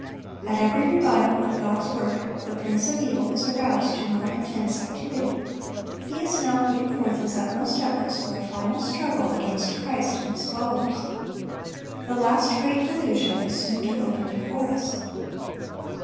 At every revival of God's work, the prince of evil is aroused to more intense activity; he is now putting forth his utmost efforts for a final struggle against Christ and His followers. The last great delusion is soon to open before us.